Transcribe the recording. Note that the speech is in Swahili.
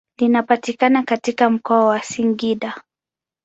Linapatikana katika mkoa wa Singida.